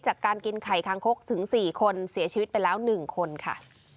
จากการกินไข่คางคกถึง๔คนเสียชีวิตไปแล้ว๑คนค่ะ